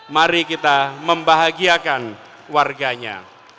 mari kita membahagiakan warganya